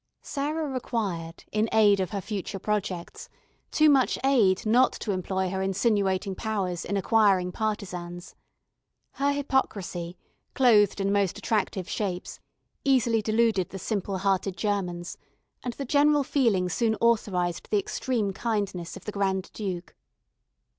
Sarah required, in aid of her future projects, too much aid not to employ her insinuating powers in acquiring partisans. Her hypocrisy, clothed in most attractive shapes, easily deluded the simple hearted Germans, and the general feeling soon authorised the extreme kindness of the Grand Duke.